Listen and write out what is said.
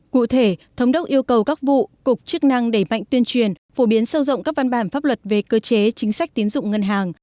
cụ thể thống đốc yêu cầu các vụ cục chức năng đẩy mạnh tuyên truyền phổ biến sâu rộng các văn bản pháp luật về cơ chế chính sách tiến dụng ngân hàng